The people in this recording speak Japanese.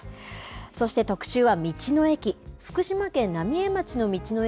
そして特集は道の駅。